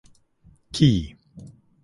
Key.